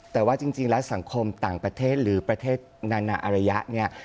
แต่ว่าจริงแล้วสังคมต่างประเทศหรือประเทศนานาอารยะเนี่ย